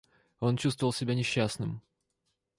Он чувствовал себя несчастным.